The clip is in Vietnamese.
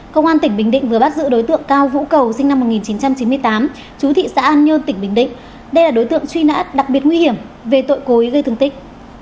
công an tỉnh bình định vừa bắt giữ đối tượng cao vũ cầu sinh năm một nghìn chín trăm chín mươi tám chú thị xã an nhơn tỉnh bình định đây là đối tượng truy nã đặc biệt nguy hiểm về tội cố ý gây thương tích